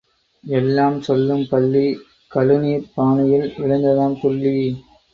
எல்லாம் சொல்லும் பல்லி கழுநீர்ப் பானையில் விழுந்ததாம் துள்ளி.